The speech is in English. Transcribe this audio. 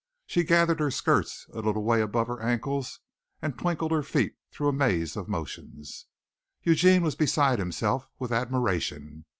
She gathered her skirts a little way above her ankles and twinkled her feet through a maze of motions. Eugene was beside himself with admiration.